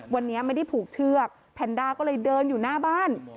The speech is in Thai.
วันนี้ไม่ได้ผูกเชือกแพนด้าก็เลยเดินอยู่หน้าบ้าน